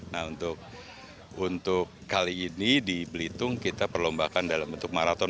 nah untuk kali ini di belitung kita perlombakan dalam bentuk maraton